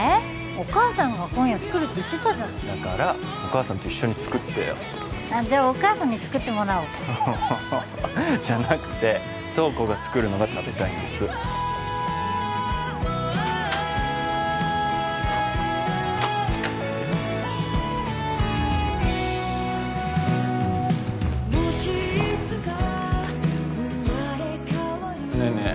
お母さんが今夜作るって言ってたじゃないだからお義母さんと一緒に作ってよじゃお母さんに作ってもらおうハハハハじゃなくて瞳子が作るのが食べたいんですねえねえ